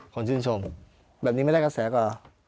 คนชื่นชมแบบนี้ไม่ได้กระแสกว่า